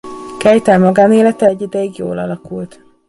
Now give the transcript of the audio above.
Keitel magánélete egy ideig jól alakult.